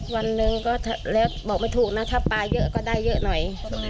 วันหนึ่งก็แล้วบอกไม่ถูกนะถ้าปลาเยอะก็ได้เยอะหน่อย